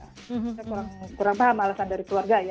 saya kurang paham alasan dari keluarga ya